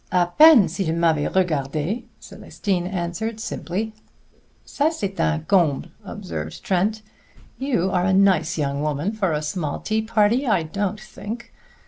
"A peine s'il m'avait regardé!" Célestine answered simply. "Ca, c'est un comble!" observed Trent. "You are a nice young woman for a small tea party, I don't think.